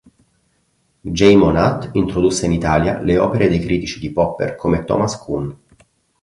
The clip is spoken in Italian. Geymonat introdusse in Italia le opere dei critici di Popper come Thomas Kuhn.